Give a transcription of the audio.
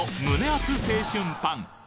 アツ青春パン